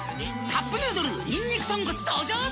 「カップヌードルにんにく豚骨」登場！